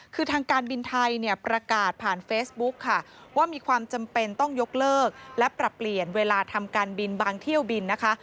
คือทางการบินไทยเนี่ยประกาศผ่านเฟซบุ๊กค่ะว่ามีความจำเป็นต้องยกเลิกและปรับเปลี่ยนเวลาทำการบินบางเที่ยวบินนะคะ